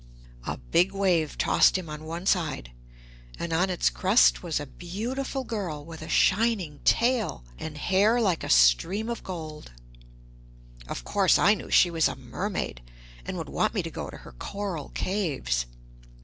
A big wave tossed him on one side, and on its crest was a beautiful girl with a shining tail, and hair like a stream of gold. Of course I knew she was a mermaid, and would want me to go to her coral caves.